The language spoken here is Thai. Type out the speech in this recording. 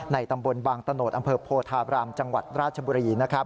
ตำบลบางตะโนธอำเภอโพธาบรามจังหวัดราชบุรี